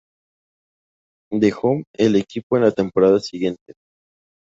Dejó el equipo en la temporada siguiente.